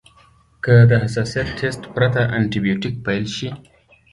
که د حساسیت ټسټ پرته انټي بیوټیک پیل شي.